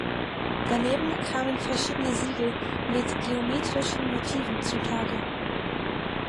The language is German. Daneben kamen verschiedene Siegel mit geometrischen Motiven zutage.